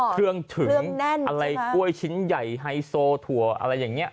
เครื่องถึงอะไรกล้วยชิ้นใหญ่ไฮโซถั่วอะไรอย่างนี้